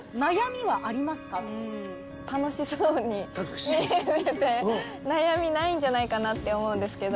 楽しそうに見えて悩みないんじゃないかなって思うんですけど。